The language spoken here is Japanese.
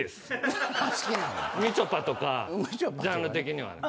みちょぱとかジャンル的には。